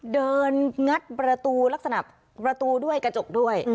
งัดประตูลักษณะประตูด้วยกระจกด้วย